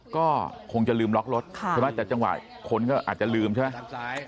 ก็คงจะลืมล็อกรถใช่ไหมแต่จังหวะคนก็อาจจะลืมใช่ไหม